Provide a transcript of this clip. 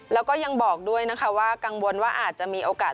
แล้วก็ยังบอกด้วยนะคะว่ากังวลว่าอาจจะมีโอกาส